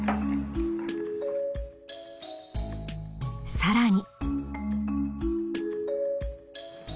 更に。